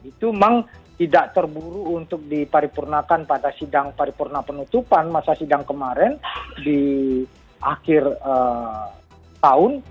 itu memang tidak terburu untuk diparipurnakan pada sidang paripurna penutupan masa sidang kemarin di akhir tahun